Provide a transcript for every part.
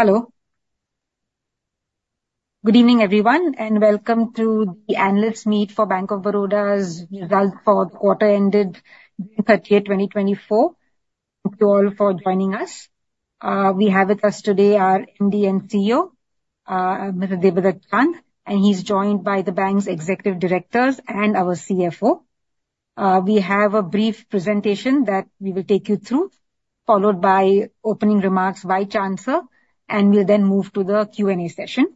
Hello. Good evening, everyone, and welcome to the Analysts Meet for Bank of Baroda's results for the quarter ended June 30, 2024. Thank you all for joining us. We have with us today our MD and CEO, Mr. Debadatta Chand, and he's joined by the bank's executive directors and our CFO. We have a brief presentation that we will take you through, followed by opening remarks by Chand Sir, and we'll then move to the Q&A session.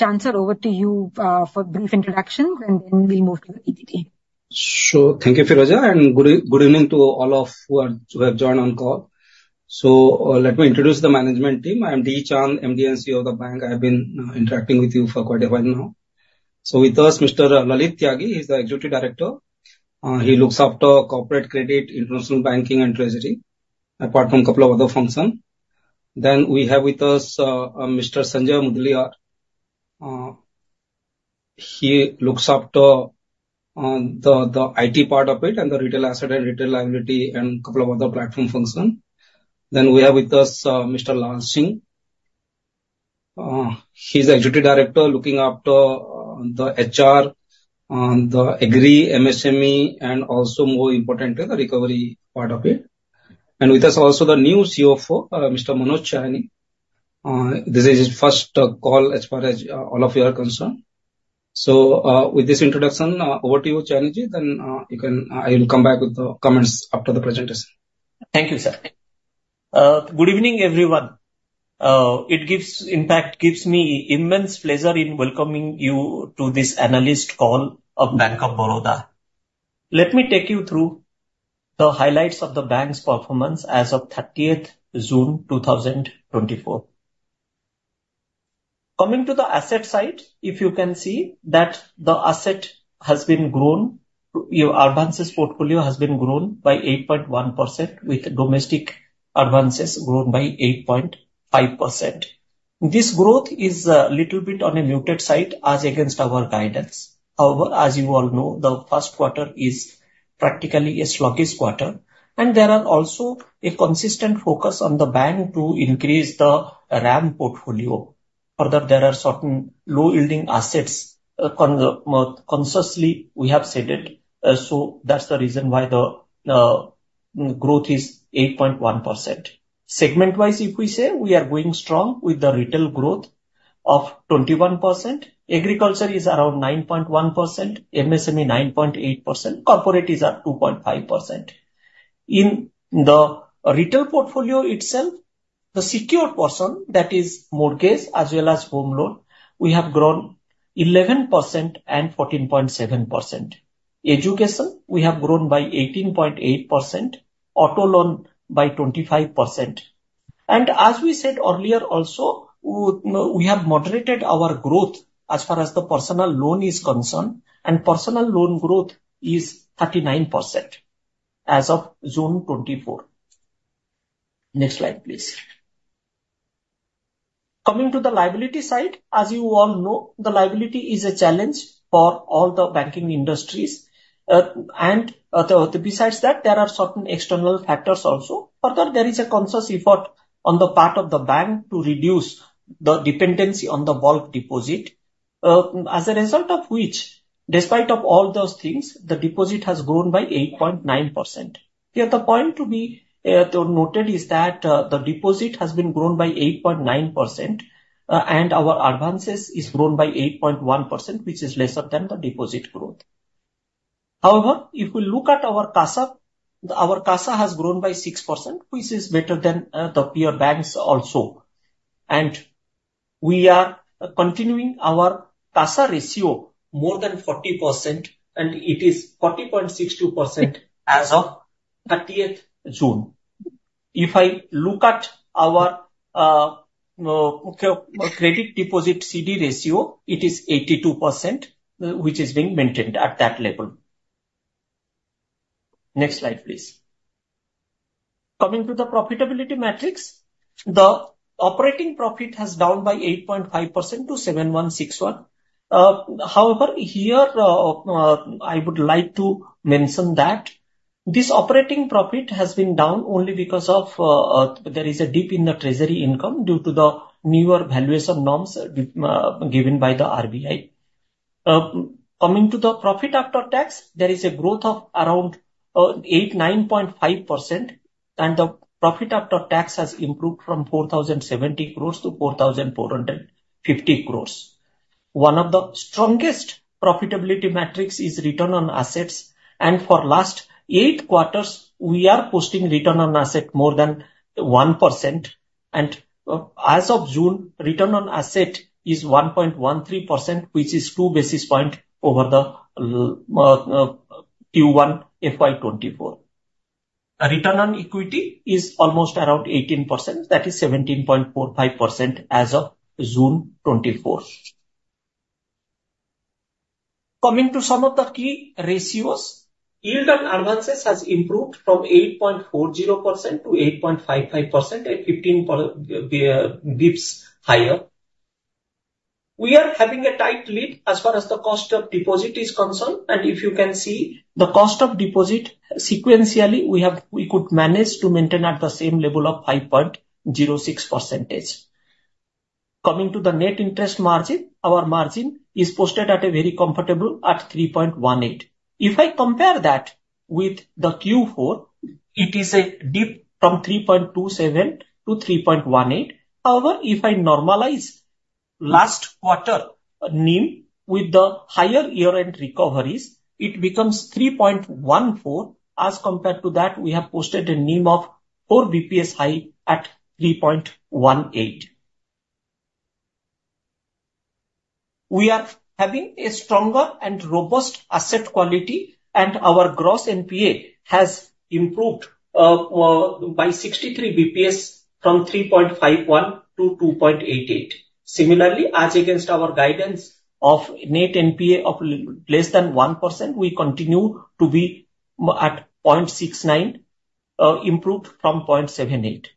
Chand Sir, over to you for a brief introduction, and then we'll move to the PPT. Sure. Thank you, Phiroza. And good evening to all of you who have joined on call. So let me introduce the management team. I'm D. Chand, MD and CEO of the bank. I've been interacting with you for quite a while now. So with us, Mr. Lalit Tyagi, he's the Executive Director. He looks after corporate credit, international banking, and treasury, apart from a couple of other functions. Then we have with us Mr. Sanjay Mudaliar. He looks after the IT part of it and the retail asset and retail liability and a couple of other platform functions. Then we have with us Mr. Lal Singh. He's the Executive Director looking after the HR, the agri MSME, and also, more importantly, the recovery part of it. And with us also, the new COO, Mr. Manoj Chayani. This is his first call as far as all of you are concerned. With this introduction, over to you, Chandji, then you can, I will come back with the comments after the presentation. Thank you, sir. Good evening, everyone. It, in fact, gives me immense pleasure in welcoming you to this analyst call of Bank of Baroda. Let me take you through the highlights of the bank's performance as of 30 June 2024. Coming to the asset side, if you can see that the asset has been grown, your advances portfolio has been grown by 8.1%, with domestic advances grown by 8.5%. This growth is a little bit on a muted side as against our guidance. However, as you all know, the first quarter is practically a sluggish quarter, and there is also a consistent focus on the bank to increase the RAM portfolio. Further, there are certain low-yielding assets consistently we have cited. So that's the reason why the growth is 8.1%. Segment-wise, if we say, we are going strong with the retail growth of 21%. Agriculture is around 9.1%, MSME 9.8%, corporate is at 2.5%. In the retail portfolio itself, the secured portion, that is mortgage as well as home loan, we have grown 11% and 14.7%. Education, we have grown by 18.8%, auto loan by 25%. And as we said earlier also, we have moderated our growth as far as the personal loan is concerned, and personal loan growth is 39% as of June 2024. Next slide, please. Coming to the liability side, as you all know, the liability is a challenge for all the banking industries. And besides that, there are certain external factors also. Further, there is a conscious effort on the part of the bank to reduce the dependency on the bulk deposit, as a result of which, despite all those things, the deposit has grown by 8.9%. Here, the point to be noted is that the deposit has been grown by 8.9%, and our advances are grown by 8.1%, which is lesser than the deposit growth. However, if we look at our CASA, our CASA has grown by 6%, which is better than the peer banks also. We are continuing our CASA ratio more than 40%, and it is 40.62% as of 30 June. If I look at our credit deposit CD ratio, it is 82%, which is being maintained at that level. Next slide, please. Coming to the profitability metrics, the operating profit has grown by 8.5% to 7,161. However, here, I would like to mention that this operating profit has been down only because there is a dip in the treasury income due to the newer valuation norms given by the RBI. Coming to the profit after tax, there is a growth of around 9.5%, and the profit after tax has improved from 4,070 crores to 4,450 crores. One of the strongest profitability metrics is return on assets. For the last eight quarters, we are posting return on assets more than 1%. As of June, return on assets is 1.13%, which is two basis points over the Q1 FY 2024. Return on equity is almost around 18%. That is 17.45% as of June 2024. Coming to some of the key ratios, yield on advances has improved from 8.40% to 8.55%, a 15 basis points higher. We are having a tight lid as far as the cost of deposit is concerned. If you can see the cost of deposit sequentially, we could manage to maintain at the same level of 5.06%. Coming to the net interest margin, our margin is posted at a very comfortable 3.18. If I compare that with the Q4, it is a dip from 3.27 to 3.18. However, if I normalize last quarter NIM with the higher year-end recoveries, it becomes 3.14. As compared to that, we have posted a NIM of 4 basis points high at 3.18. We are having a stronger and robust asset quality, and our gross NPA has improved by 63 basis points from 3.51 to 2.88. Similarly, as against our guidance of net NPA of less than 1%, we continue to be at 0.69, improved from 0.78.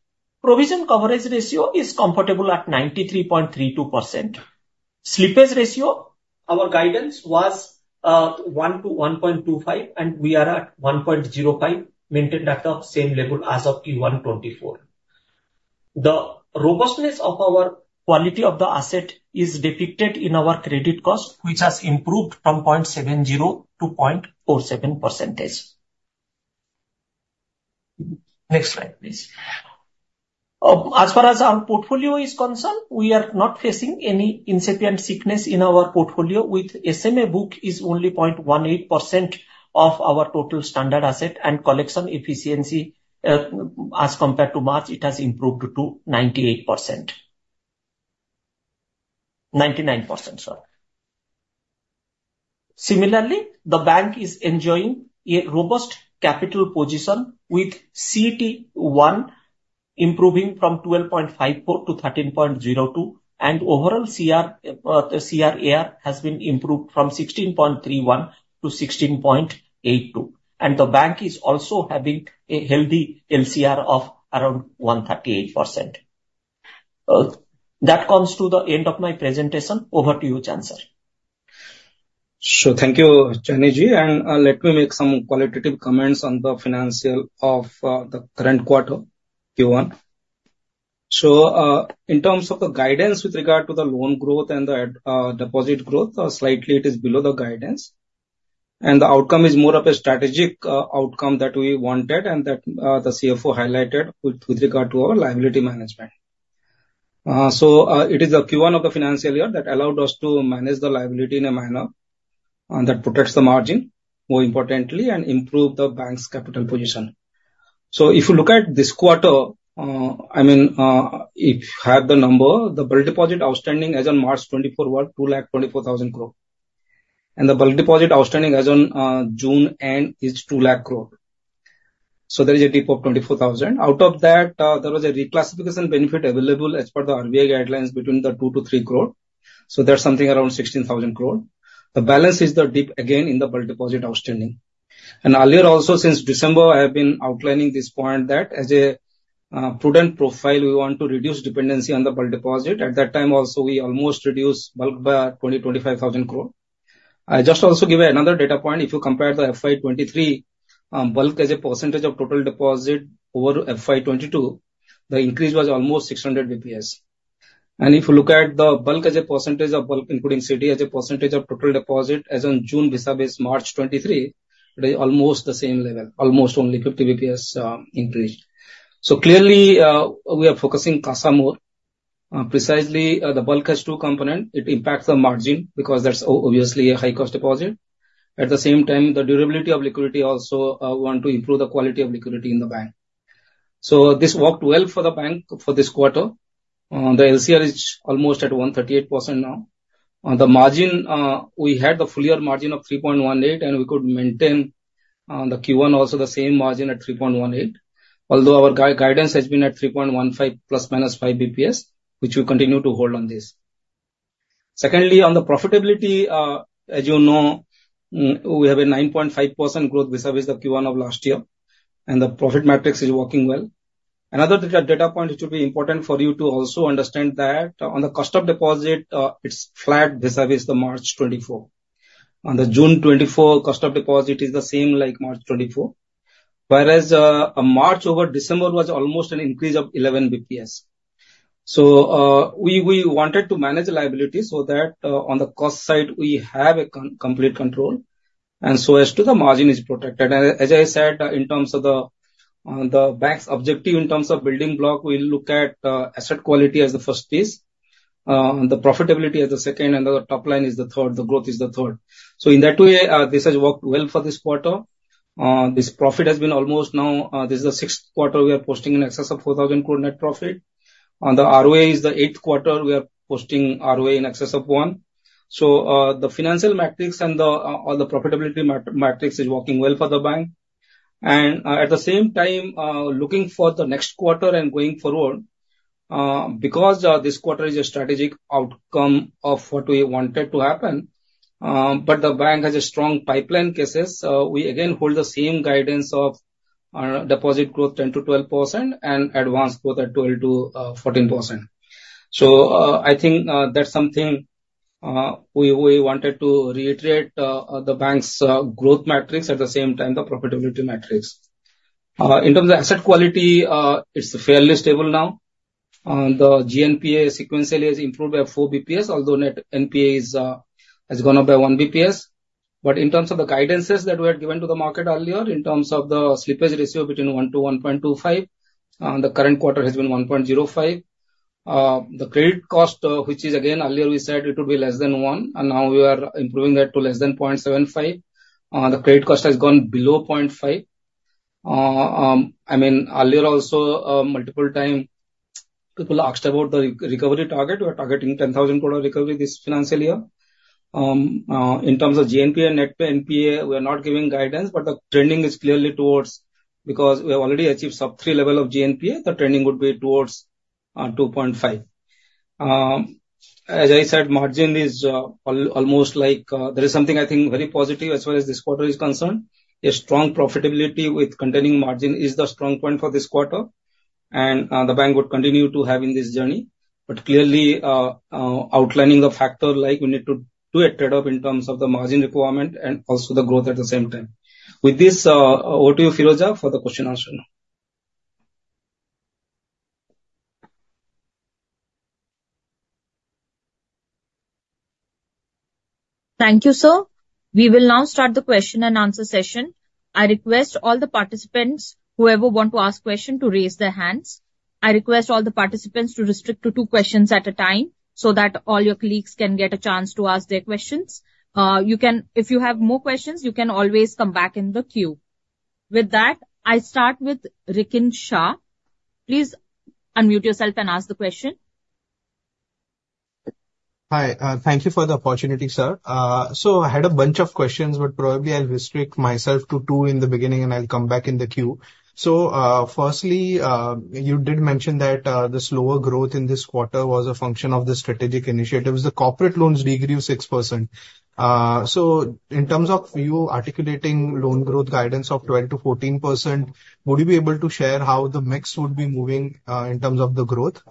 Provision coverage ratio is comfortable at 93.32%. Slippage ratio, our guidance was 1 to 1.25, and we are at 1.05, maintained at the same level as of Q1 2024. The robustness of our quality of the asset is depicted in our credit cost, which has improved from 0.70% to 0.47%. Next slide, please. As far as our portfolio is concerned, we are not facing any incipient sickness in our portfolio, with SMA book is only 0.18% of our total standard asset and collection efficiency. As compared to March, it has improved to 98%. 99%, sorry. Similarly, the bank is enjoying a robust capital position with CET1 improving from 12.54 to 13.02, and overall CRAR has been improved from 16.31 to 16.82. The bank is also having a healthy LCR of around 138%. That comes to the end of my presentation. Over to you, Chand Sir. Sure. Thank you, Chayani. Let me make some qualitative comments on the financial of the current quarter, Q1. So in terms of the guidance with regard to the loan growth and the deposit growth, slightly it is below the guidance. The outcome is more of a strategic outcome that we wanted and that the CFO highlighted with regard to our liability management. So it is the Q1 of the financial year that allowed us to manage the liability in a manner that protects the margin, more importantly, and improves the bank's capital position. So if you look at this quarter, I mean, if you have the number, the bulk deposit outstanding as on March 2024 was 224,000 crore. The bulk deposit outstanding as on June 2024 end is 200,000 crore. So there is a dip of 24,000 crore. Out of that, there was a reclassification benefit available as per the RBI guidelines between 2-3 crore. So there's something around 16,000 crore. The balance is the dip again in the bulk deposit outstanding. And earlier also, since December, I have been outlining this point that as a prudent profile, we want to reduce dependency on the bulk deposit. At that time also, we almost reduced bulk by 20-25,000 crore. I just also give another data point. If you compare the FY 2023 bulk as a percentage of total deposit over FY 2022, the increase was almost 600 basis points. And if you look at the bulk as a percentage of bulk, including CD as a percentage of total deposit as on June vis-à-vis March 2023, it is almost the same level, almost only 50 basis points increase. So clearly, we are focusing CASA more. Precisely, the bulk has two components. It impacts the margin because that's obviously a high-cost deposit. At the same time, the durability of liquidity also wants to improve the quality of liquidity in the bank. So this worked well for the bank for this quarter. The LCR is almost at 138% now. The margin, we had the full year margin of 3.18, and we could maintain the Q1 also the same margin at 3.18, although our guidance has been at 3.15 ± 5 basis points, which we continue to hold on this. Secondly, on the profitability, as you know, we have a 9.5% growth vis-à-vis the Q1 of last year, and the profit metrics are working well. Another data point which would be important for you to also understand that on the cost of deposit, it's flat vis-à-vis the March 2024. On the June 2024, cost of deposit is the same like March 2024, whereas March over December was almost an increase of 11 basis points. So we wanted to manage liability so that on the cost side, we have complete control. And so as to the margin is protected. And as I said, in terms of the bank's objective in terms of building block, we look at asset quality as the first piece, the profitability as the second, and the top line is the third. The growth is the third. So in that way, this has worked well for this quarter. This profit has been almost now this is the sixth quarter we are posting in excess of 4,000 crore net profit. On the ROA is the eighth quarter we are posting ROA in excess of one. The financial metrics and all the profitability metrics are working well for the bank. At the same time, looking for the next quarter and going forward, because this quarter is a strategic outcome of what we wanted to happen, but the bank has a strong pipeline cases, we again hold the same guidance of deposit growth 10%-12% and advance growth at 12%-14%. So I think that's something we wanted to reiterate the bank's growth metrics at the same time, the profitability metrics. In terms of asset quality, it's fairly stable now. The GNPA sequentially has improved by 4 basis points, although net NPA has gone up by 1 basis point. In terms of the guidances that we had given to the market earlier, in terms of the slippage ratio between 1-1.25, the current quarter has been 1.05. The credit cost, which is again, earlier we said it would be less than 1, and now we are improving that to less than 0.75. The credit cost has gone below 0.5. I mean, earlier also, multiple time, people asked about the recovery target. We are targeting 10,000 crore recovery this financial year. In terms of GNPA and net NPA, we are not giving guidance, but the trending is clearly towards because we have already achieved sub-3 level of GNPA, the trending would be towards 2.5. As I said, margin is almost like there is something I think very positive as far as this quarter is concerned. A strong profitability with containing margin is the strong point for this quarter. The bank would continue to have in this journey. But clearly, outlining the factor like we need to do a trade-off in terms of the margin requirement and also the growth at the same time. With this, over to you, Phiroza, for the question answer. Thank you, sir. We will now start the question and answer session. I request all the participants, whoever want to ask questions, to raise their hands. I request all the participants to restrict to two questions at a time so that all your colleagues can get a chance to ask their questions. If you have more questions, you can always come back in the queue. With that, I start with Rikin Shah. Please unmute yourself and ask the question. Hi. Thank you for the opportunity, sir. So I had a bunch of questions, but probably I'll restrict myself to two in the beginning, and I'll come back in the queue. So firstly, you did mention that the slower growth in this quarter was a function of the strategic initiatives. The corporate loans decreased 6%. So in terms of you articulating loan growth guidance of 12%-14%, would you be able to share how the mix would be moving in terms of the growth?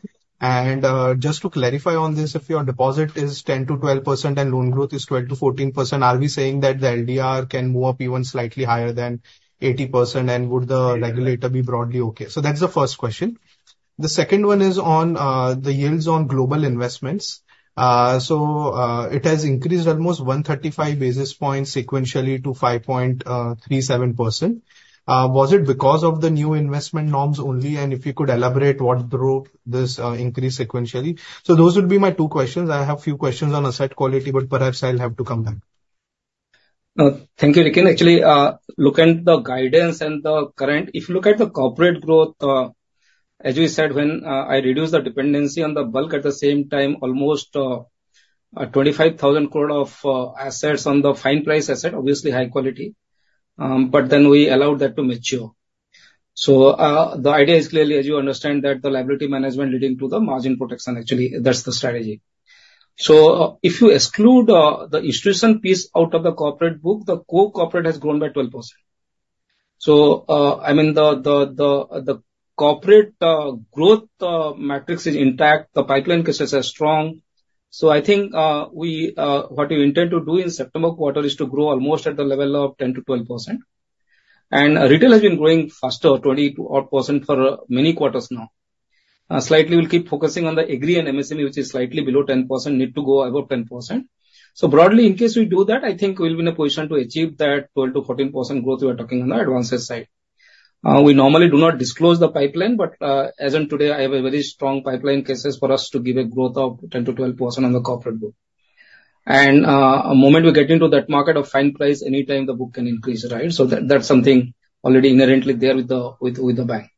And just to clarify on this, if your deposit is 10%-12% and loan growth is 12%-14%, are we saying that the LDR can move up even slightly higher than 80%, and would the regulator be broadly okay? So that's the first question. The second one is on the yields on global investments. It has increased almost 135 basis points sequentially to 5.37%. Was it because of the new investment norms only? If you could elaborate what drove this increase sequentially? Those would be my two questions. I have a few questions on asset quality, but perhaps I'll have to come back. Thank you, Rikin. Actually, looking at the guidance and the current, if you look at the corporate growth, as you said, when I reduced the dependency on the bulk at the same time, almost 25,000 crore of assets on the fine price asset, obviously high quality. But then we allowed that to mature. So the idea is clearly, as you understand, that the liability management leading to the margin protection, actually, that's the strategy. So if you exclude the institution piece out of the corporate book, the core corporate has grown by 12%. So I mean, the corporate growth metrics are intact. The pipeline cases are strong. So I think what we intend to do in September quarter is to grow almost at the level of 10%-12%. And retail has been growing faster, 20% for many quarters now. Slightly, we'll keep focusing on the Agri and MSME, which is slightly below 10%, need to go above 10%. So broadly, in case we do that, I think we'll be in a position to achieve that 12%-14% growth we are talking on the advances side. We normally do not disclose the pipeline, but as of today, I have a very strong pipeline cases for us to give a growth of 10%-12% on the corporate book. And the moment we get into that market of fine price, anytime the book can increase, right? So that's something already inherently there with the bank.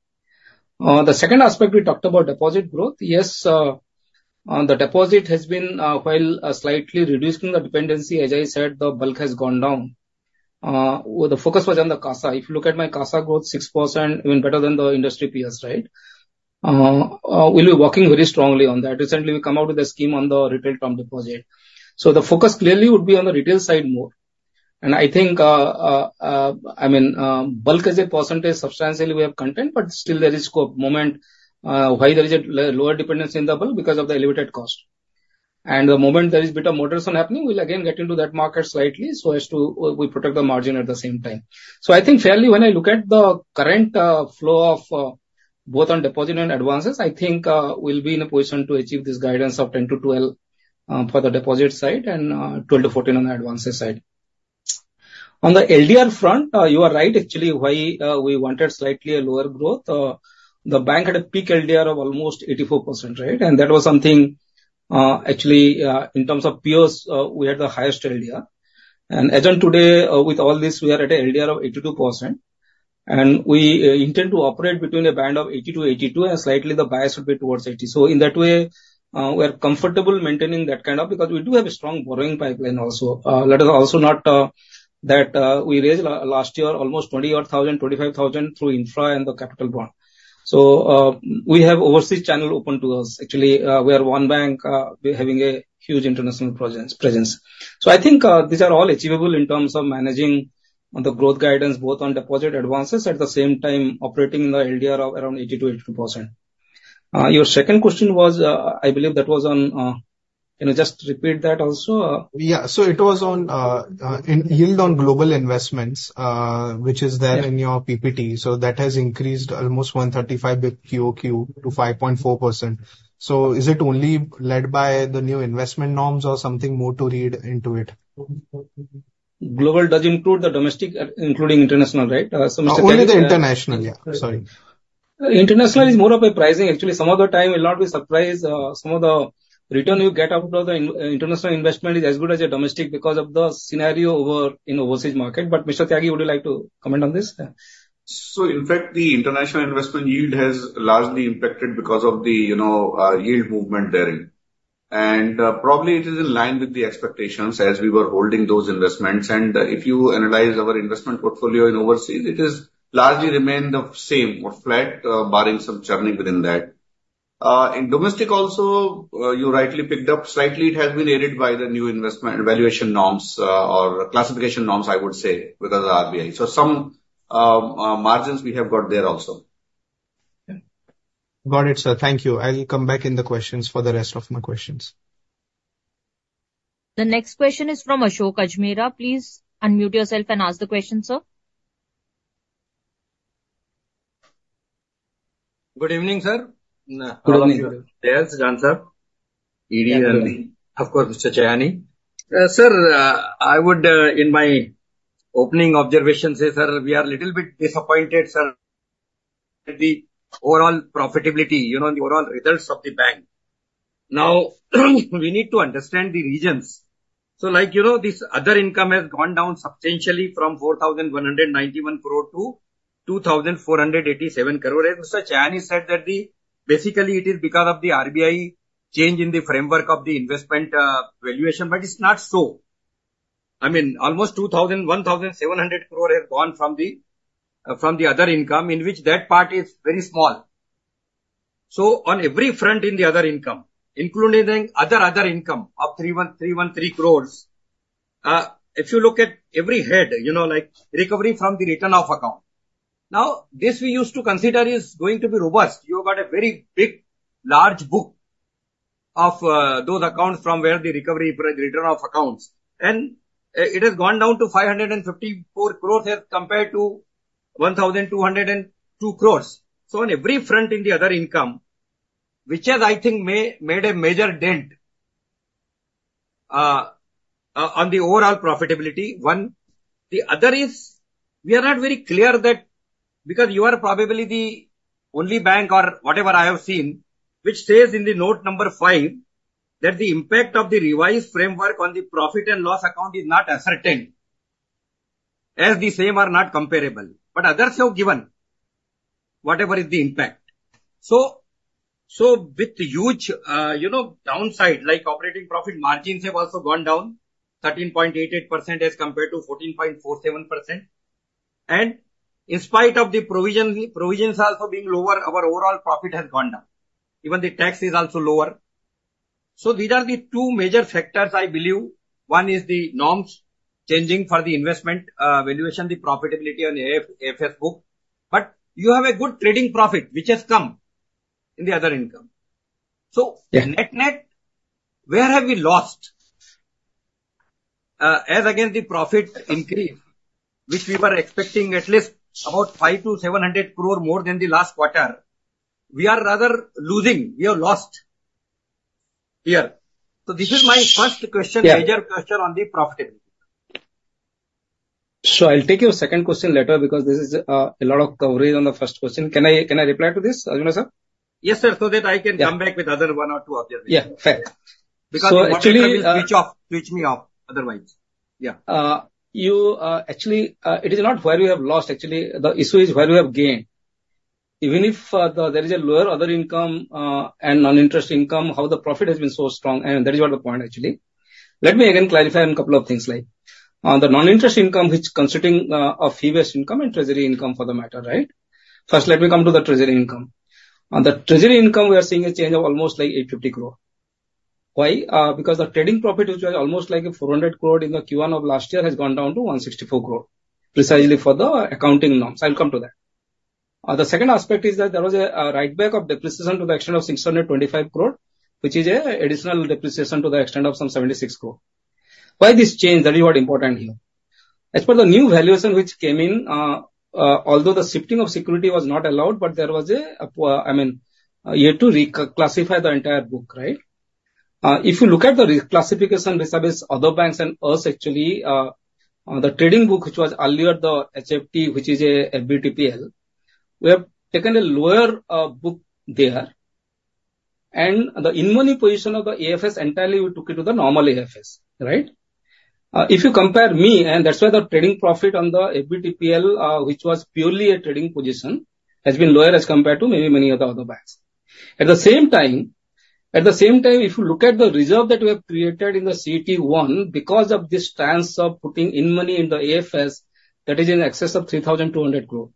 The second aspect we talked about deposit growth, yes, the deposit has been while slightly reducing the dependency. As I said, the bulk has gone down. The focus was on the CASA. If you look at my CASA growth, 6%, even better than the industry peers, right? We'll be working very strongly on that. Recently, we come out with a scheme on the retail term deposit. So the focus clearly would be on the retail side more. And I think, I mean, bulk as a percentage substantially we have content, but still there is a moment why there is a lower dependency in the bulk because of the elevated cost. And the moment there is a bit of moderation happening, we'll again get into that market slightly so as to protect the margin at the same time. So I think fairly, when I look at the current flow of both on deposit and advances, I think we'll be in a position to achieve this guidance of 10%-12% for the deposit side and 12%-14% on the advances side. On the LDR front, you are right, actually, why we wanted slightly a lower growth. The bank had a peak LDR of almost 84%, right? That was something actually, in terms of peers, we had the highest LDR. As of today, with all this, we are at an LDR of 82%. We intend to operate between a band of 80-82%, and slightly the bias would be towards 80%. In that way, we are comfortable maintaining that kind of because we do have a strong borrowing pipeline also. That is also not that we raised last year almost 20,000-25,000 crore through infra and the capital bond. We have overseas channel open to us. Actually, we are one bank having a huge international presence. So I think these are all achievable in terms of managing the growth guidance both on deposit advances at the same time operating in the LDR of around 80%-82%. Your second question was, I believe that was on, can you just repeat that also? Yeah. So it was on yield on global investments, which is there in your PPT. So that has increased almost 135 QOQ to 5.4%. So is it only led by the new investment norms or something more to read into it? Global does include the domestic, including international, right? Only the international, yeah. Sorry. International is more of a pricing. Actually, some of the time we'll not be surprised. Some of the return you get out of the international investment is as good as a domestic because of the scenario over in overseas market. But Mr. Tyagi, would you like to comment on this? So in fact, the international investment yield has largely impacted because of the yield movement there. And probably it is in line with the expectations as we were holding those investments. And if you analyze our investment portfolio in overseas, it has largely remained the same or flat, barring some churning within that. In domestic also, you rightly picked up, slightly it has been aided by the new investment valuation norms or classification norms, I would say, with the RBI. So some margins we have got there also. Got it, sir. Thank you. I'll come back in the questions for the rest of my questions. The next question is from Ashok Ajmera. Please unmute yourself and ask the question, sir. Good evening, sir. Good evening. Yes, Jan sir. ED and, of course, Mr. Chayani. Sir, I would, in my opening observation, say, sir, we are a little bit disappointed, sir, in the overall profitability, you know, in the overall results of the bank. Now, we need to understand the reasons. So like you know, this other income has gone down substantially from 4,191 crore to 2,487 crore. Mr. Chayani said that basically it is because of the RBI change in the framework of the investment valuation, but it's not so. I mean, almost 1,700 crore has gone from the other income, in which that part is very small. So on every front in the other income, including other income of 313 crore, if you look at every head, you know, like recovery from the return of account. Now, this we used to consider is going to be robust. You got a very big large book of those accounts from where the recovery return of accounts. It has gone down to 554 crores as compared to 1,202 crores. So on every front in the other income, which has, I think, made a major dent on the overall profitability. The other is, we are not very clear that because you are probably the only bank or whatever I have seen, which says in the note number five that the impact of the revised framework on the profit and loss account is not as certain as the same are not comparable. But others have given whatever is the impact. So with the huge downside, like operating profit margins have also gone down 13.88% as compared to 14.47%. And in spite of the provisions also being lower, our overall profit has gone down. Even the tax is also lower. So these are the two major factors, I believe. One is the norms changing for the investment valuation, the profitability on AFS book. But you have a good trading profit, which has come in the other income. So net net, where have we lost? As against the profit increase, which we were expecting at least about 500-700 crore more than the last quarter, we are rather losing. We have lost here. So this is my first question, major question on the profitability. I'll take your second question later because this is a lot of coverage on the first question. Can I reply to this, Ajmera sir? Yes, sir. So that I can come back with other one or two observations. Yeah, fair. Because you actually switch me off otherwise. Yeah. You actually, it is not where you have lost. Actually, the issue is where you have gained. Even if there is a lower other income and non-interest income, how the profit has been so strong? And that is the point, actually. Let me again clarify on a couple of things. Like on the non-interest income, which is considering fee income and treasury income for the matter, right? First, let me come to the treasury income. On the treasury income, we are seeing a change of almost like 850 crore. Why? Because the trading profit, which was almost like 400 crore in the Q1 of last year, has gone down to 164 crore, precisely for the accounting norms. I'll come to that. The second aspect is that there was a write-back of depreciation to the extent of 625 crore, which is an additional depreciation to the extent of some 76 crore. Why this change? That is what's important here. As for the new valuation, which came in, although the shifting of security was not allowed, but there was a, I mean, you had to reclassify the entire book, right? If you look at the reclassification, vis-à-vis other banks and us, actually, the trading book, which was earlier the HFT, which is an FVTPL, we have taken a lower book there. And the in-money position of the AFS entirely, we took it to the normal AFS, right? If you compare me, and that's why the trading profit on the FVTPL, which was purely a trading position, has been lower as compared to maybe many of the other banks. At the same time, if you look at the reserve that we have created in the CET1, because of this stance of putting income in the AFS, that is in excess of 3,200 crore,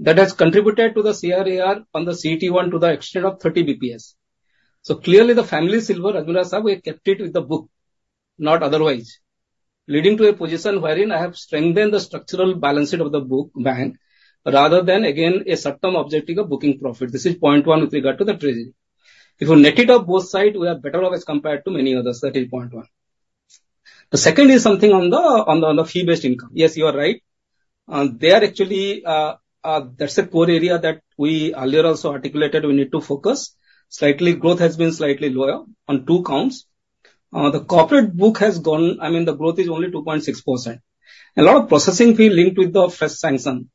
that has contributed to the CRAR on the CET1 to the extent of 30 basis points. So clearly, the family silver, Ajmera sir, we kept it with the book, not otherwise, leading to a position wherein I have strengthened the structural balance sheet of the book bank, rather than again a short-term objective of booking profit. This is point one with regard to the treasury. If we net it off both sides, we are better off as compared to many others. That is point one. The second is something on the fee-based income. Yes, you are right. There actually, that's a core area that we earlier also articulated we need to focus. Slight growth has been slightly lower on two counts. The corporate book has gone, I mean, the growth is only 2.6%. A lot of processing fee linked with the first sanction.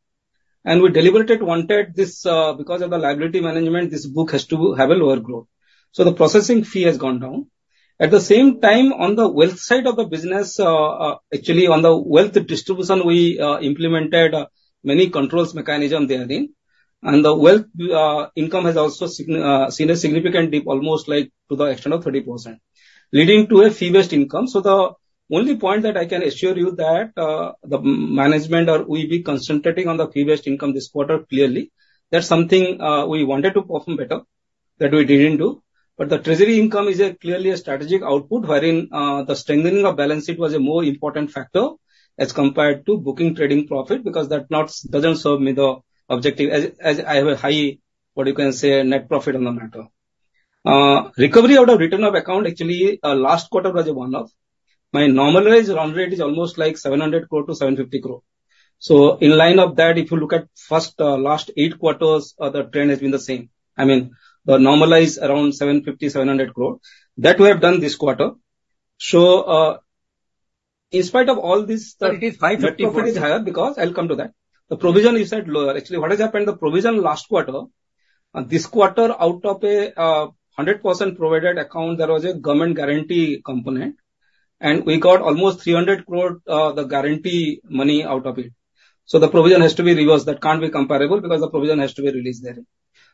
And we deliberately wanted this, because of the liability management, this book has to have a lower growth. So the processing fee has gone down. At the same time, on the wealth side of the business, actually, on the wealth distribution, we implemented many controls mechanism therein. And the wealth income has also seen a significant dip, almost like to the extent of 30%, leading to a fee-based income. So the only point that I can assure you that the management or we be concentrating on the fee-based income this quarter clearly, that's something we wanted to perform better that we didn't do. The treasury income is clearly a strategic output wherein the strengthening of balance sheet was a more important factor as compared to booking trading profit because that doesn't serve me the objective as I have a high, what you can say, net profit on the matter. Recovery out of return of account, actually, last quarter was a one-off. My normalized round rate is almost like 700 crore-750 crore. So in line of that, if you look at first, last eight quarters, the trend has been the same. I mean, the normalized around 750-700 crore that we have done this quarter. So in spite of all this. But it is INR 550 crore. It is higher because I'll come to that. The provision is at lower. Actually, what has happened, the provision last quarter, this quarter out of a 100% provided account, there was a government guarantee component. And we got almost 300 crore the guarantee money out of it. So the provision has to be reversed. That can't be comparable because the provision has to be released there.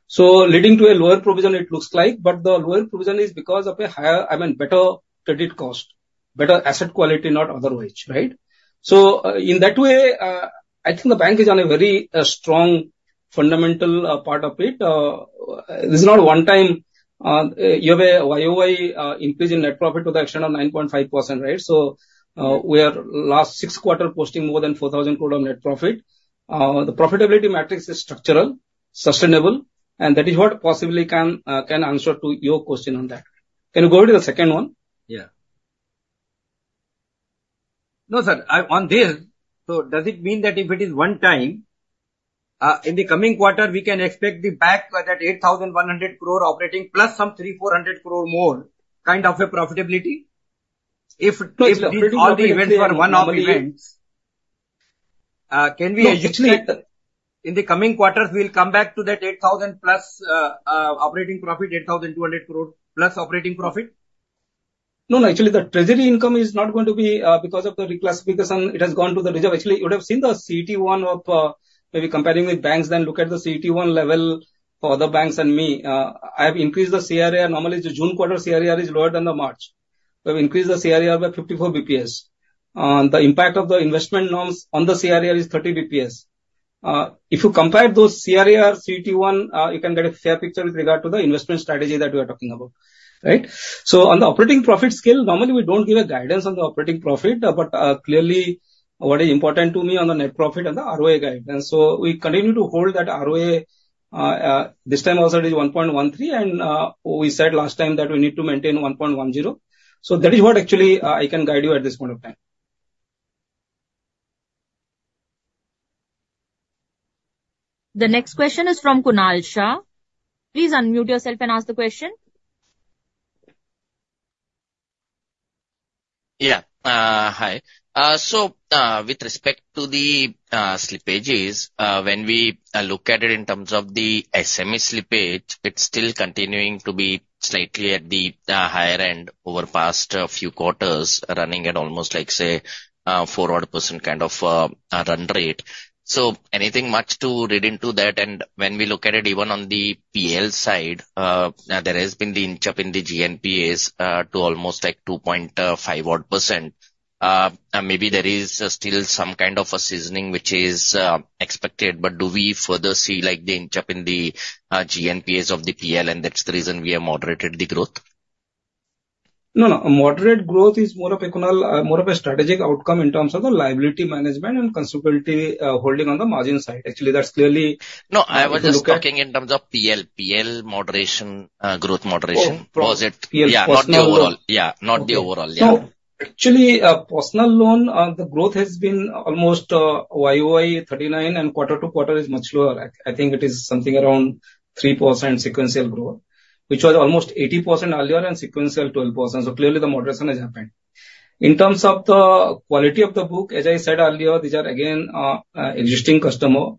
So leading to a lower provision, it looks like. But the lower provision is because of a higher, I mean, better credit cost, better asset quality, not otherwise, right? So in that way, I think the bank is on a very strong fundamental part of it. There's not one time you have a YoY increase in net profit to the extent of 9.5%, right? So we are last six quarters posting more than 4,000 crore of net profit. The profitability matrix is structural, sustainable, and that is what possibly can answer to your question on that. Can you go to the second one? Yeah. No, sir. On this, so does it mean that if it is one time, in the coming quarter, we can expect the back that 8,100 crore operating plus some 3,400 crore more kind of a profitability? If all the events were one-off events, can we actually in the coming quarters, we'll come back to that 8,000+ operating profit, 8,200 crore plus operating profit? No, no. Actually, the treasury income is not going to be because of the reclassification. It has gone to the reserve. Actually, you would have seen the CET1 of maybe comparing with banks, then look at the CET1 level for other banks and me. I have increased the CRAR. Normally, the June quarter CRAR is lower than the March. We have increased the CRAR by 54 basis points. The impact of the investment norms on the CRAR is 30 basis points. If you compare those CRAR, CET1, you can get a fair picture with regard to the investment strategy that we are talking about, right? So on the operating profit scale, normally we don't give a guidance on the operating profit, but clearly what is important to me on the net profit and the ROA guidance. So we continue to hold that ROA. This time also it is 1.13, and we said last time that we need to maintain 1.10. So that is what actually I can guide you at this point of time. The next question is from Kunal Shah. Please unmute yourself and ask the question. Yeah, hi. So with respect to the slippages, when we look at it in terms of the SME slippage, it's still continuing to be slightly at the higher end over past a few quarters, running at almost like, say, 4% kind of run rate. So anything much to read into that? And when we look at it, even on the PL side, there has been the inch up in the GNPAs to almost like 2.5%. Maybe there is still some kind of a seasoning which is expected, but do we further see like the inch up in the GNPAs of the PL, and that's the reason we have moderated the growth? No, no. Moderate growth is more of a strategic outcome in terms of the liability management and consultative holding on the margin side. Actually, that's clearly. No, I was just talking in terms of PL, PL moderation, growth moderation. Yeah, not the overall. Yeah, not the overall. Yeah. Actually, personal loan, the growth has been almost YoY 39%, and quarter to quarter is much lower. I think it is something around 3% sequential growth, which was almost 80% earlier and sequential 12%. So clearly, the moderation has happened. In terms of the quality of the book, as I said earlier, these are again existing customer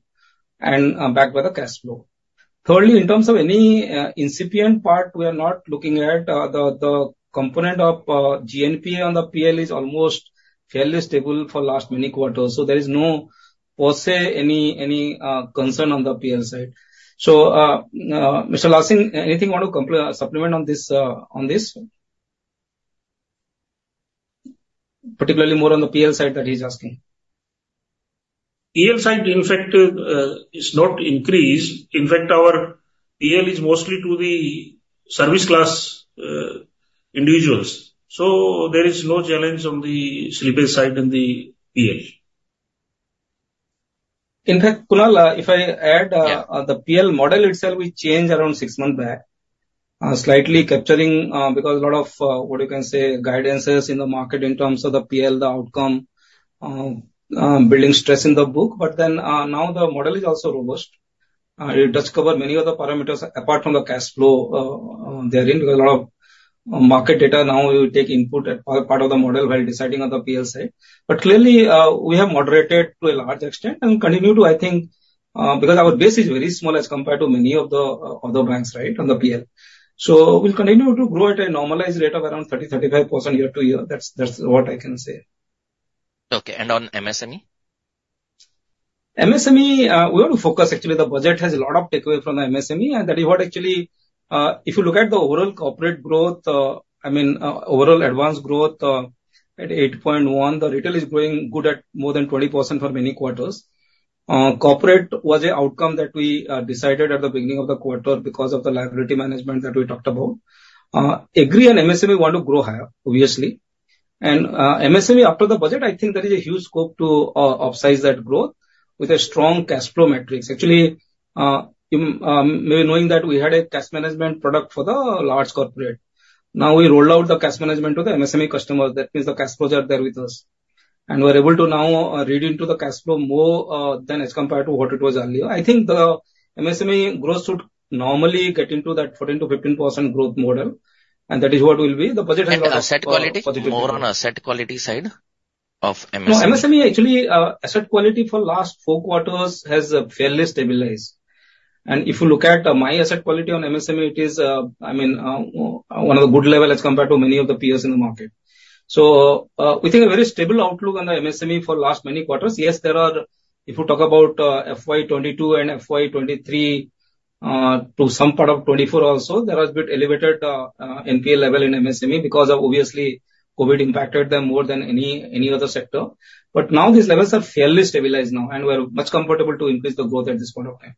and backed by the cash flow. Thirdly, in terms of any incipient part, we are not looking at the component of GNPA on the PL is almost fairly stable for last many quarters. So there is no per se any concern on the PL side. So Mr. Lal Singh, anything you want to supplement on this? Particularly more on the PL side that he's asking. PL side, in fact, is not increased. In fact, our PL is mostly to the service class individuals. So there is no challenge on the slippage side in the PL. In fact, Kunal, if I add the PL model itself, we changed around six months back, slightly capturing because a lot of what you can say guidances in the market in terms of the PL, the outcome, building stress in the book. But then now the model is also robust. It does cover many other parameters apart from the cash flow therein because a lot of market data now will take input at part of the model while deciding on the PL side. But clearly, we have moderated to a large extent and continue to, I think, because our base is very small as compared to many of the other banks, right, on the PL. So we'll continue to grow at a normalized rate of around 30%-35% year-over-year. That's what I can say. Okay. And on MSME? MSME, we want to focus. Actually, the budget has a lot of takeaway from the MSME. That is what actually, if you look at the overall corporate growth, I mean, overall advances growth at 8.1, the retail is growing good at more than 20% for many quarters. Corporate was an outcome that we decided at the beginning of the quarter because of the liability management that we talked about. Agree on MSME, we want to grow higher, obviously. MSME, after the budget, I think there is a huge scope to upsize that growth with a strong cash flow matrix. Actually, maybe knowing that we had a cash management product for the large corporate. Now we rolled out the cash management to the MSME customers. That means the cash flows are there with us. We're able to now read into the cash flow more than as compared to what it was earlier. I think the MSME growth should normally get into that 14%-15% growth model. That is what will be the budget and. On asset quality, more on asset quality side of MSME? No, MSME actually, asset quality for last four quarters has fairly stabilized. And if you look at my asset quality on MSME, it is, I mean, one of the good levels as compared to many of the peers in the market. So we think a very stable outlook on the MSME for last many quarters. Yes, there are, if you talk about FY22 and FY23 to some part of 2024 also, there has been elevated NPA level in MSME because obviously COVID impacted them more than any other sector. But now these levels are fairly stabilized now and we're much comfortable to increase the growth at this point of time.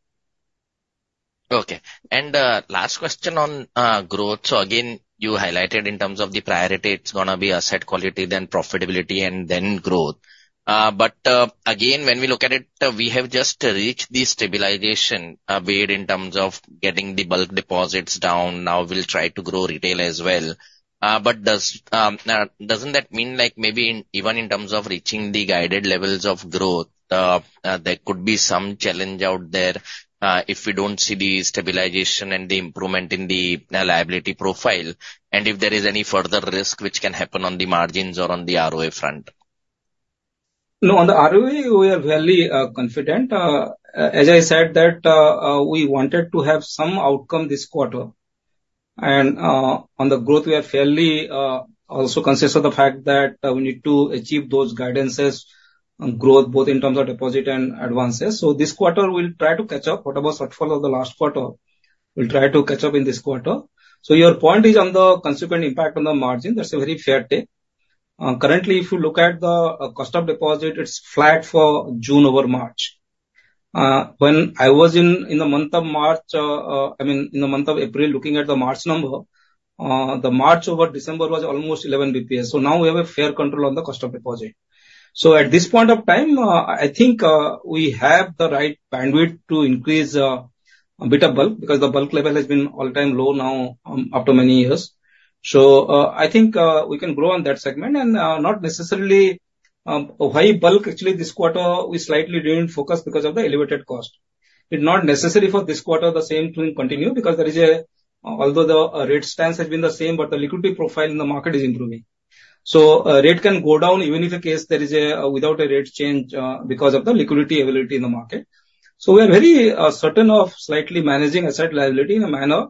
Okay. And last question on growth. So again, you highlighted in terms of the priority, it's going to be asset quality, then profitability, and then growth. But again, when we look at it, we have just reached the stabilization way in terms of getting the bulk deposits down. Now we'll try to grow retail as well. But doesn't that mean like maybe even in terms of reaching the guided levels of growth, there could be some challenge out there if we don't see the stabilization and the improvement in the liability profile? And if there is any further risk which can happen on the margins or on the ROA front? No, on the ROA, we are fairly confident. As I said, that we wanted to have some outcome this quarter. And on the growth, we are fairly also consistent of the fact that we need to achieve those guidances on growth, both in terms of deposit and advances. So this quarter, we'll try to catch up whatever shortfall of the last quarter. We'll try to catch up in this quarter. So your point is on the consequent impact on the margin. That's a very fair take. Currently, if you look at the cost of deposit, it's flat for June over March. When I was in the month of March, I mean, in the month of April, looking at the March number, the March over December was almost 11 basis points. So now we have a fair control on the cost of deposit. So at this point of time, I think we have the right bandwidth to increase a bit of bulk because the bulk level has been all-time low now after many years. So I think we can grow on that segment. And not necessarily high bulk, actually, this quarter we slightly didn't focus because of the elevated cost. It's not necessary for this quarter the same to continue, because there is a although the rate stance has been the same, but the liquidity profile in the market is improving. So rate can go down even if in case there is a without a rate change because of the liquidity availability in the market. So we are very certain of slightly managing asset liability in a manner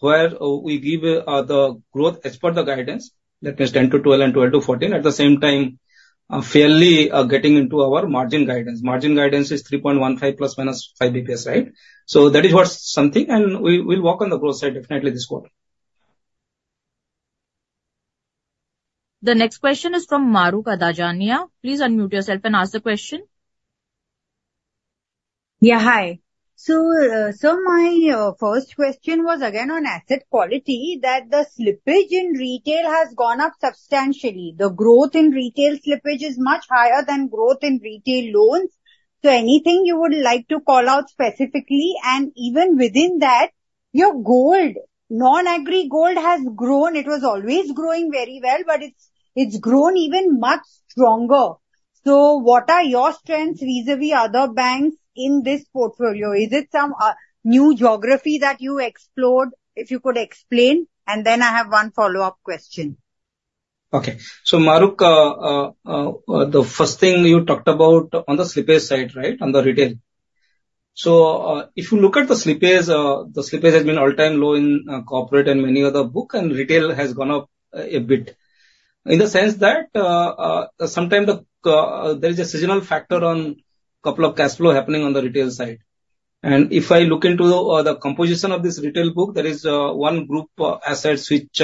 where we give the growth as per the guidance, that means 10-12 and 12-14. At the same time, fairly getting into our margin guidance. Margin guidance is 3.15 plus minus 5 basis points, right? So that is what something, and we'll work on the growth side definitely this quarter. The next question is from Mahrukh Adajania. Please unmute yourself and ask the question. Yeah, hi. So my first question was again on asset quality, that the slippage in retail has gone up substantially. The growth in retail slippage is much higher than growth in retail loans. So anything you would like to call out specifically? And even within that, your gold, non-agri gold has grown. It was always growing very well, but it's grown even much stronger. So what are your strengths vis-à-vis other banks in this portfolio? Is it some new geography that you explored? If you could explain, and then I have one follow-up question. Okay. So Mahrukh, the first thing you talked about on the slippage side, right, on the retail. So if you look at the slippage, the slippage has been all-time low in corporate and many other books, and retail has gone up a bit. In the sense that sometimes there is a seasonal factor on a couple of cash flow happening on the retail side. If I look into the composition of this retail book, there is one group asset which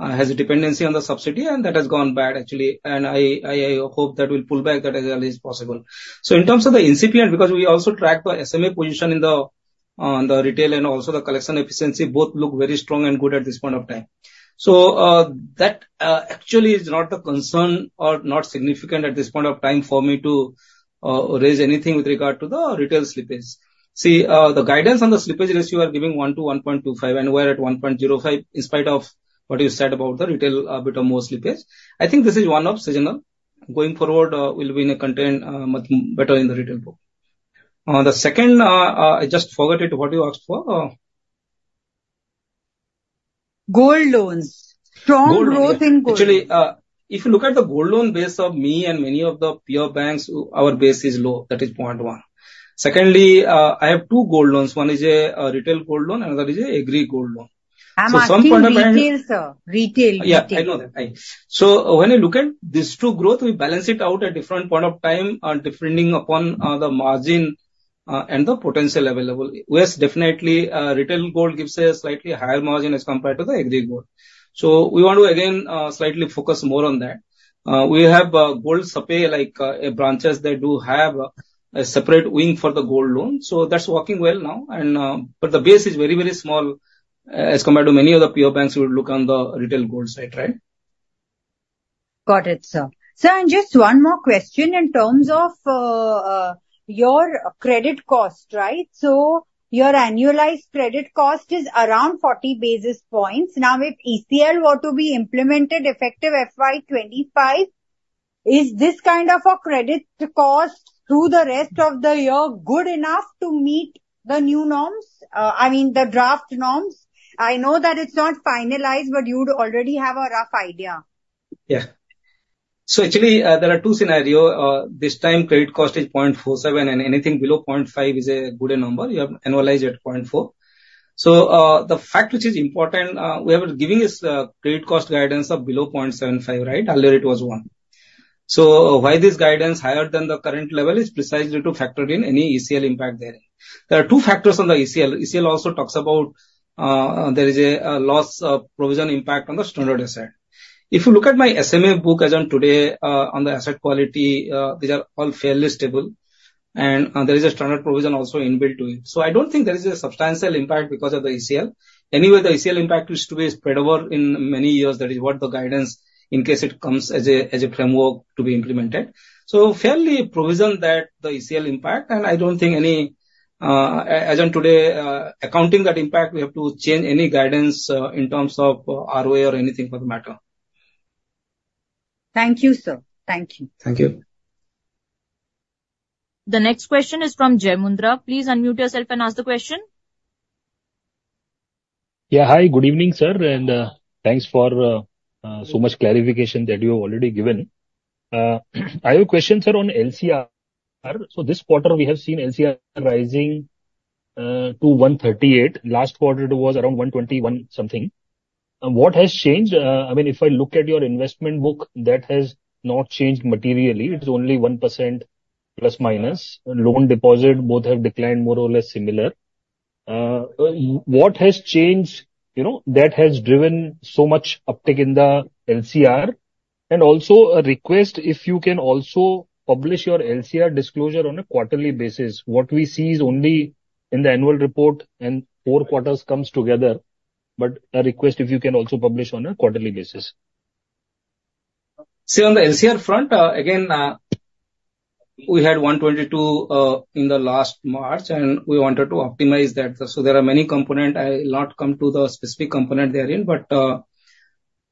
has a dependency on the subsidy, and that has gone bad, actually. I hope that will pull back that as early as possible. So in terms of the incipient, because we also track the SMA position in the retail and also the collection efficiency, both look very strong and good at this point of time. So that actually is not a concern or not significant at this point of time for me to raise anything with regard to the retail slippage. See, the guidance on the slippage risk you are giving 1-1.25, and we're at 1.05 in spite of what you said about the retail bit of more slippage. I think this is one of seasonal. Going forward, we'll be in a content much better in the retail book. The second, I just forgot it. What do you ask for? Gold loans. Strong growth in gold. Actually, if you look at the Gold Loan base of me and many of the peer banks, our base is low. That is point one. Secondly, I have two Gold Loans. One is a retail Gold Loan, and another is an agri Gold Loan. Am I right? Retail, sir. Retail. Yeah, I know that. So when I look at these two growth, we balance it out at different point of time depending upon the margin and the potential available. Yes, definitely, retail gold gives a slightly higher margin as compared to the agri gold. So we want to again slightly focus more on that. We have gold supply like branches that do have a separate wing for the gold loan. So that's working well now. But the base is very, very small as compared to many of the peer banks we would look on the retail gold side, right? Got it, sir. Sir, and just one more question in terms of your credit cost, right? So your annualized credit cost is around 40 basis points. Now, if ECL were to be implemented effective FY2025, is this kind of a credit cost through the rest of the year good enough to meet the new norms? I mean, the draft norms? I know that it's not finalized, but you would already have a rough idea. Yeah. So actually, there are two scenarios. This time, credit cost is 0.47, and anything below 0.5 is a good number. You have annualized at 0.4. So the fact which is important, we are giving is credit cost guidance of below 0.75, right? Earlier, it was 1. So why this guidance higher than the current level is precisely to factor in any ECL impact there. There are two factors on the ECL. ECL also talks about there is a loss of provision impact on the standard asset. If you look at my SMA book as on today on the asset quality, these are all fairly stable. And there is a standard provision also inbuilt to it. So I don't think there is a substantial impact because of the ECL. Anyway, the ECL impact used to be spread over in many years. That is what the guidance in case it comes as a framework to be implemented. So fairly provision that the ECL impact, and I don't think any as on today, accounting that impact, we have to change any guidance in terms of ROA or anything for the matter. Thank you, sir. Thank you. Thank you. The next question is from Jai Prakash Mundhra. Please unmute yourself and ask the question. Yeah, hi. Good evening, sir. And thanks for so much clarification that you have already given. I have a question, sir, on LCR. So this quarter, we have seen LCR rising to 138. Last quarter, it was around 121 something. What has changed? I mean, if I look at your investment book, that has not changed materially. It's only 1% plus minus. Loan deposit both have declined more or less similar. What has changed that has driven so much uptake in the LCR? And also, a request, if you can also publish your LCR disclosure on a quarterly basis. What we see is only in the annual report, and four quarters comes together. But a request, if you can also publish on a quarterly basis. See, on the LCR front, again, we had 122 in the last March, and we wanted to optimize that. So there are many components. I'll not come to the specific component therein. But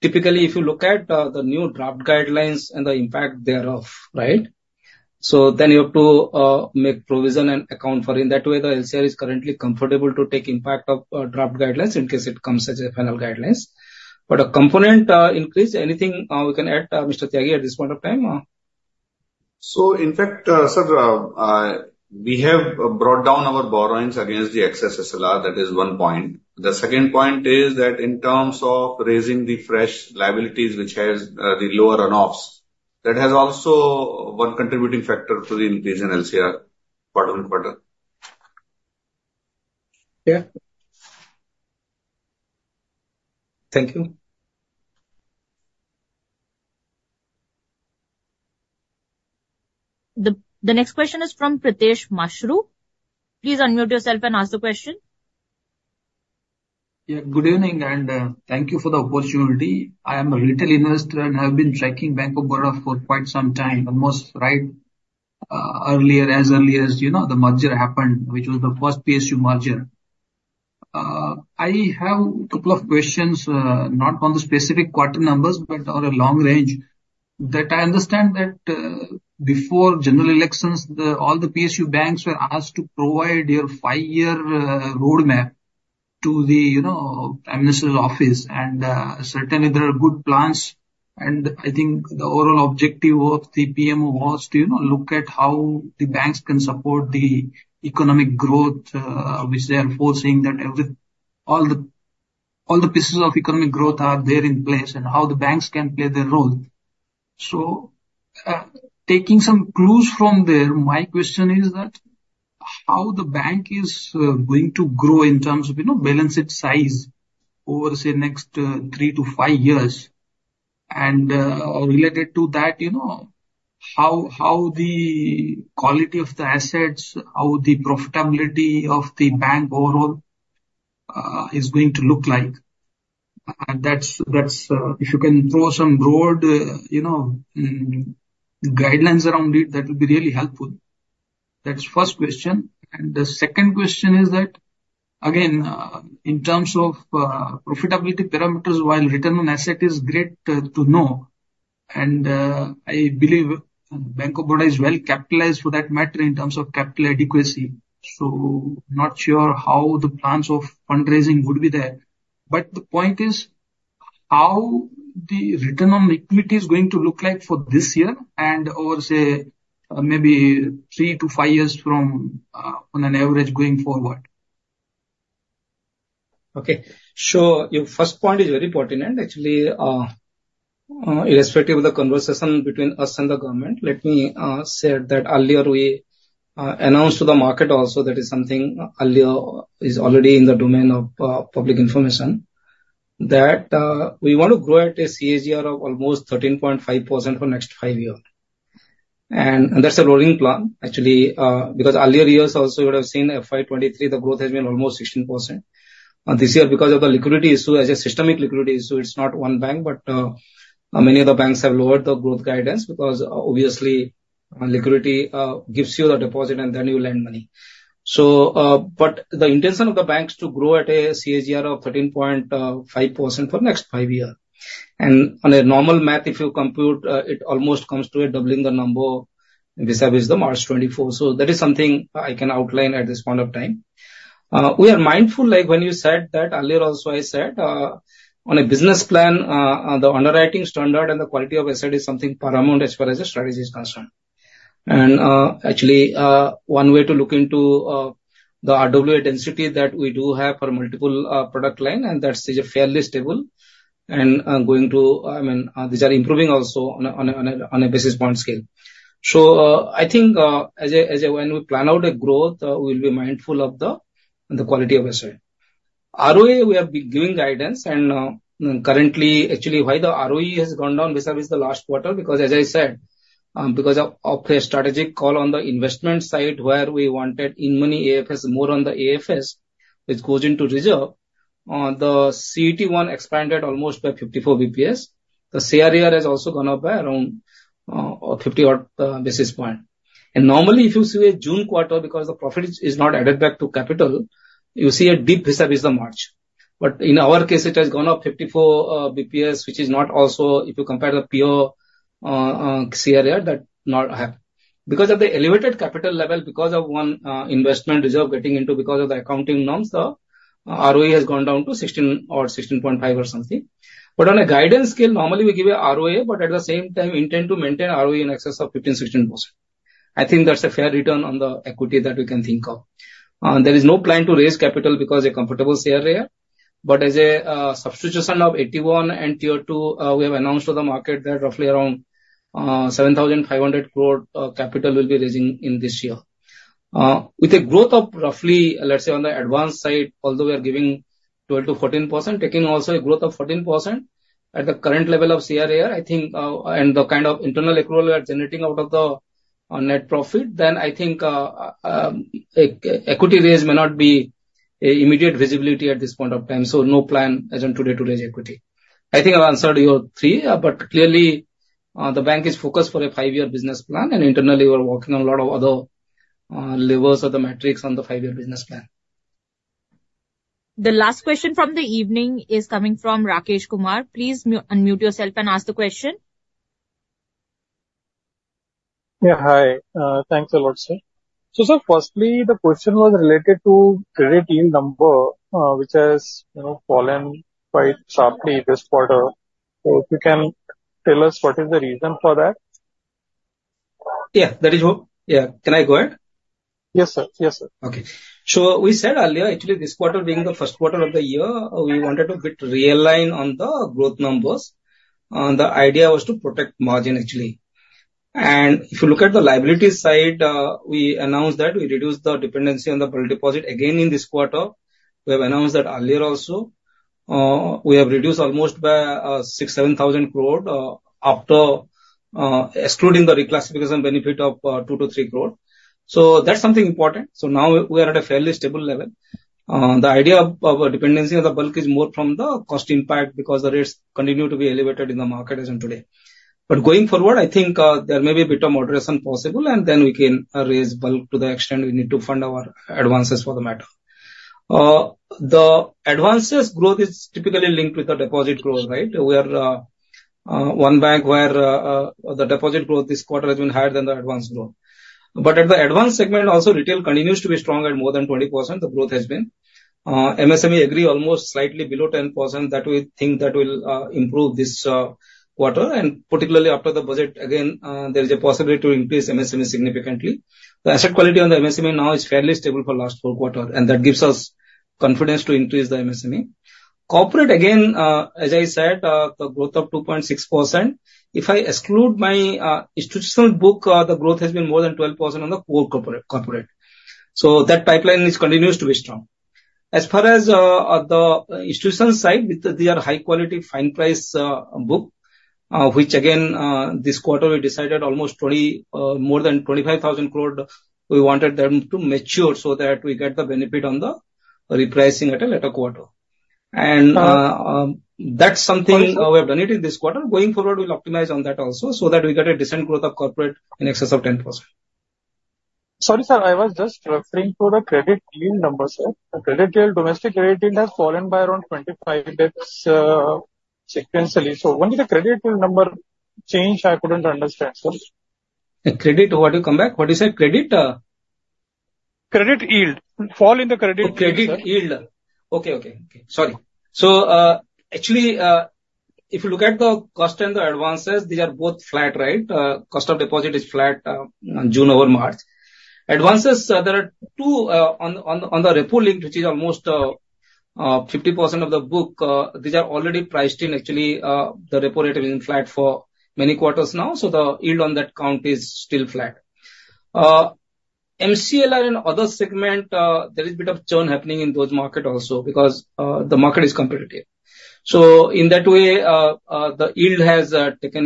typically, if you look at the new draft guidelines and the impact thereof, right, so then you have to make provision and account for it. In that way, the LCR is currently comfortable to take impact of draft guidelines in case it comes as a final guidelines. But a component increase, anything we can add, Mr. Tyagi, at this point of time? So in fact, sir, we have brought down our borrowings against the excess SLR. That is one point. The second point is that in terms of raising the fresh liabilities, which has the lower runoffs, that has also one contributing factor to the increase in LCR quarter on quarter. Yeah. Thank you. The next question is from Pritesh Mashru. Please unmute yourself and ask the question. Yeah, good evening, and thank you for the opportunity. I am a retail investor and have been tracking Bank of Baroda for quite some time, almost right as early as the merger happened, which was the first PSU merger. I have a couple of questions, not on the specific quarter numbers, but on a long range. That I understand that before general elections, all the PSU banks were asked to provide their five-year roadmap to the Prime Minister's office. And certainly, there are good plans. And I think the overall objective of the PM was to look at how the banks can support the economic growth, which they are forcing that all the pieces of economic growth are there in place and how the banks can play their role. So taking some clues from there, my question is that how the bank is going to grow in terms of balance its size over, say, next 3-5 years. And related to that, how the quality of the assets, how the profitability of the bank overall is going to look like. And if you can throw some broad guidelines around it, that would be really helpful. That's the first question. And the second question is that, again, in terms of profitability parameters, while return on asset is great to know. And I believe Bank of Baroda is well capitalized for that matter in terms of capital adequacy. So not sure how the plans of fundraising would be there. But the point is how the return on equity is going to look like for this year and over, say, maybe 3-5 years from on an average going forward. Okay. So your first point is very pertinent, actually, irrespective of the conversation between us and the government. Let me share that earlier we announced to the market also that is something earlier is already in the domain of public information, that we want to grow at a CAGR of almost 13.5% for next five years. And that's a rolling plan, actually, because earlier years also, you would have seen FY 2023, the growth has been almost 16%. This year, because of the liquidity issue, as a systemic liquidity issue, it's not one bank, but many of the banks have lowered the growth guidance because obviously, liquidity gives you the deposit and then you lend money. But the intention of the banks to grow at a CAGR of 13.5% for next five years. On a normal math, if you compute, it almost comes to a doubling the number vis-à-vis the March 2024. So that is something I can outline at this point of time. We are mindful, like when you said that earlier also, I said on a business plan, the underwriting standard and the quality of asset is something paramount as far as the strategy is concerned. And actually, one way to look into the RWA density that we do have for multiple product lines, and that's fairly stable. And going to, I mean, these are improving also on a basis point scale. So I think when we plan out a growth, we will be mindful of the quality of asset. ROA, we have been giving guidance. And currently, actually, why the ROE has gone down vis-à-vis the last quarter? Because, as I said, because of a strategic call on the investment side where we wanted in-money AFS, more on the AFS, which goes into reserve, the CET1 expanded almost by 54 basis points. The CRAR has also gone up by around 50 basis points. And normally, if you see a June quarter, because the profit is not added back to capital, you see a dip vis-à-vis the March. But in our case, it has gone up 54 basis points, which is not also, if you compare the Peer CRAR, that not happen. Because of the elevated capital level, because of one investment reserve getting into because of the accounting norms, the ROE has gone down to 16 or 16.5 or something. But on a guidance scale, normally we give a ROA, but at the same time, intend to maintain ROE in excess of 15, 16%. I think that's a fair return on the equity that we can think of. There is no plan to raise capital because of a comfortable CRAR. But as a substitution of AT1 and Tier 2, we have announced to the market that roughly around 7,500 crore capital will be raising in this year. With a growth of roughly, let's say, on the advanced side, although we are giving 12%-14%, taking also a growth of 14% at the current level of CRAR, I think, and the kind of internal accrual we are generating out of the net profit, then I think equity raise may not be an immediate visibility at this point of time. So no plan as on today to raise equity. I think I've answered your three, but clearly, the bank is focused for a five-year business plan, and internally, we're working on a lot of other levers of the metrics on the five-year business plan. The last question from the evening is coming from Rakesh Kumar. Please unmute yourself and ask the question. Yeah, hi. Thanks a lot, sir. So sir, firstly, the question was related to credit yield number, which has fallen quite sharply this quarter. So if you can tell us what is the reason for that? Yeah, that is who? Yeah. Can I go ahead? Yes, sir. Yes, sir. Okay. So we said earlier, actually, this quarter being the first quarter of the year, we wanted to be realign on the growth numbers. The idea was to protect margin, actually. And if you look at the liability side, we announced that we reduced the dependency on the bulk deposit again in this quarter. We have announced that earlier also. We have reduced almost by 6,000-7,000 crore after excluding the reclassification benefit of 2-3 crore. So that's something important. So now we are at a fairly stable level. The idea of dependency on the bulk is more from the cost impact because the rates continue to be elevated in the market as on today. But going forward, I think there may be a bit of moderation possible, and then we can raise bulk to the extent we need to fund our advances for the matter. The advances growth is typically linked with the deposit growth, right? One bank where the deposit growth this quarter has been higher than the advances growth. But at the advances segment, also, retail continues to be strong at more than 20%. The growth has been. MSME, agri almost slightly below 10%. That we think that will improve this quarter. And particularly after the budget, again, there is a possibility to increase MSME significantly. The asset quality on the MSME now is fairly stable for last four quarters, and that gives us confidence to increase the MSME. Corporate, again, as I said, the growth of 2.6%. If I exclude my institutional book, the growth has been more than 12% on the core corporate. So that pipeline continues to be strong. As far as the institutional side, they are high-quality fine price book, which again, this quarter, we decided almost more than 25,000 crore. We wanted them to mature so that we get the benefit on the repricing at a later quarter. And that's something we have done it in this quarter. Going forward, we'll optimize on that also so that we get a decent growth of corporate in excess of 10%. Sorry, sir, I was just referring to the credit yield number, sir. The credit yield, domestic credit yield has fallen by around 25 bps sequentially. So when did the credit yield number change? I couldn't understand, sir. Credit? What do you come back? What is it? Credit? Credit yield. Fall in the credit yield. Oh, credit yield. Okay, okay. Sorry. So actually, if you look at the cost and the advances, these are both flat, right? Cost of deposit is flat June over March. Advances, there are two on the repo linked, which is almost 50% of the book. These are already priced in, actually. The repo rate has been flat for many quarters now. So the yield on that count is still flat. MCLR and other segment, there is a bit of churn happening in those markets also because the market is competitive. So in that way, the yield has taken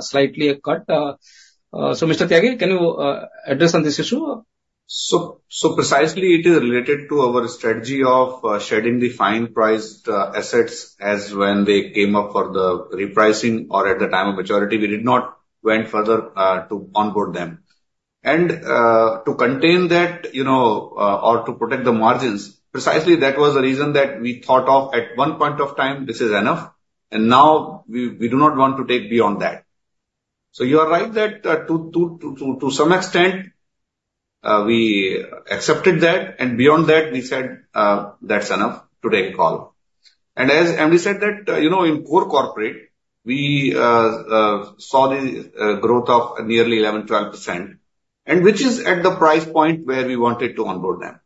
slightly a cut. So Mr. Tyagi, can you address on this issue? So precisely, it is related to our strategy of shedding the fine priced assets as when they came up for the repricing or at the time of maturity, we did not went further to onboard them. And to contain that or to protect the margins, precisely that was the reason that we thought of at one point of time, this is enough. And now we do not want to take beyond that. So you are right that to some extent, we accepted that. And beyond that, we said that's enough to take a call. And as MD said, that in core corporate, we saw the growth of nearly 11%-12%, which is at the price point where we wanted to onboard them.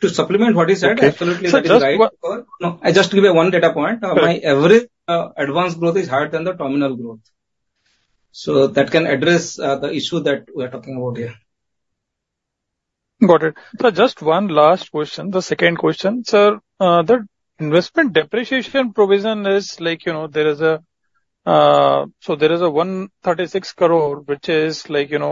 To supplement what he said, absolutely, that is right. I just give you one data point. My average advance growth is higher than the terminal growth. So that can address the issue that we are talking about here. Got it. So just one last question, the second question. Sir, the investment depreciation provision is like there is a so there is a 136 crore, which is credited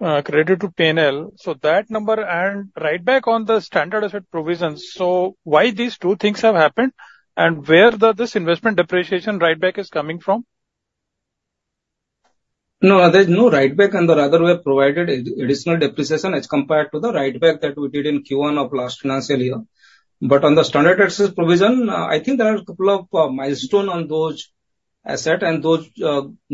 to P&L. So that number and write back on the standard asset provision. So why these two things have happened and where this investment depreciation write back is coming from? No, there is no write back on the latter; we have provided additional depreciation as compared to the write back that we did in Q1 of last financial year. But on the standard asset provision, I think there are a couple of milestones on those assets and those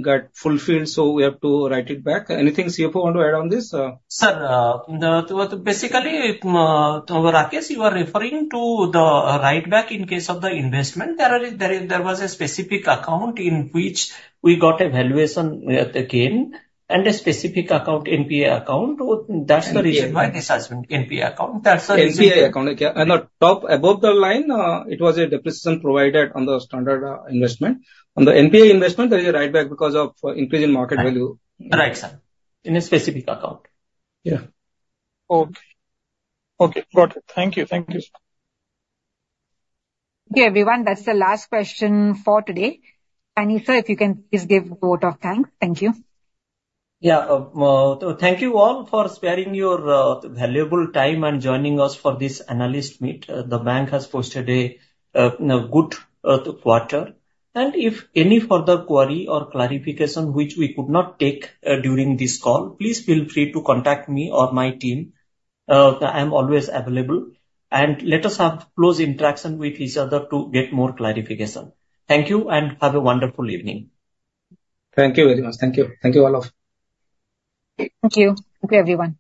got fulfilled. So we have to write it back. Anything CFO want to add on this? Sir, basically, Rakesh, you are referring to the RBI in case of the investment. There was a specific account in which we got revaluation again and a specific account, NPA account. That's the reason. Why this has been NPA account? That's the reason. NPA account, okay. The top above the line, it was a depreciation provision on the standard investment. On the NPA investment, there is a write back because of increase in market value. Right, sir. In a specific account. Yeah. Okay. Okay. Got it. Thank you. Thank you. Okay, everyone, that's the last question for today. uncertain, if you can please give a vote of thanks. Thank you. Yeah. Thank you all for sparing your valuable time and joining us for this analyst meet. The bank has posted a good quarter. If any further query or clarification which we could not take during this call, please feel free to contact me or my team. I am always available. Let us have close interaction with each other to get more clarification. Thank you and have a wonderful evening. Thank you very much. Thank you. Thank you all of you. Thank you. Thank you, everyone.